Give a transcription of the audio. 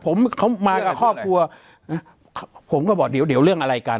ผมเขามากับครอบครัวนะผมก็บอกเดี๋ยวเดี๋ยวเรื่องอะไรกัน